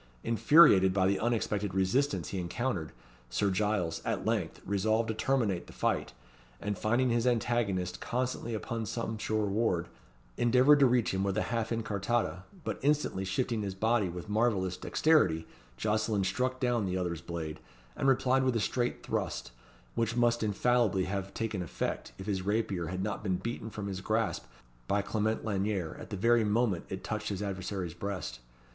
Infuriated by the unexpected resistance he encountered, Sir Giles, at length, resolved to terminate the fight; and, finding his antagonist constantly upon some sure ward, endeavoured to reach him with a half incartata; but instantly shifting his body with marvellous dexterity, Jocelyn struck down the other's blade, and replied with a straight thrust, which must infallibly have taken effect, if his rapier had not been beaten from his grasp by Clement Lanyere at the very moment it touched his adversary's breast.